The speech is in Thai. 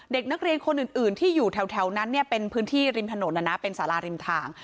เด็กนักเรียนคนอื่นที่อยู่แถวนั้นเนี่ยเป็นพื้นที่ริมถนนเป็นสาราริมทาง